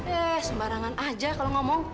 eh sembarangan aja kalau ngomong